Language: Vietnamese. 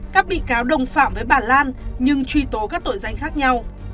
các bị cáo đồng phạm với bà lan nhưng truy tố các tội danh khác nhau